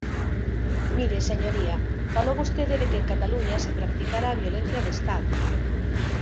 Mire, señoría, falou vostede de que en Cataluña se practicara a violencia de Estado.